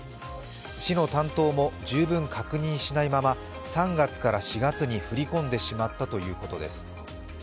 市の担当も十分確認しないまま３月から４月に振り込んでしまったということです。